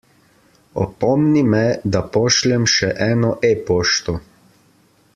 Opomni me, da pošljem še eno e-pošto.